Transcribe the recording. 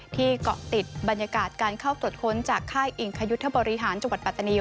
เกาะติดบรรยากาศการเข้าตรวจค้นจากค่ายอิงคยุทธบริหารจังหวัดปัตตานี